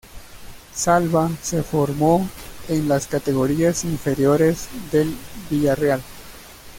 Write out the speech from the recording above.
Salva se formó en las categorías inferiores del Villareal.